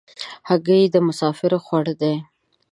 هګۍ د مسافرو خواړه دي.